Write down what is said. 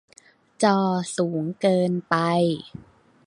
จอสูงเกินไป